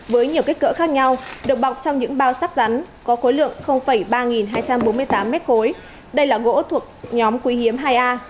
với nhiều kích cỡ khác nhau được bọc trong những bao sắp rắn có khối lượng ba hai trăm bốn mươi tám m ba đây là gỗ thuộc nhóm quý hiếm hai a